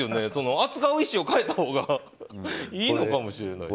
扱う石を変えたほうがいいのかもしれない。